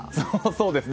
そうですね。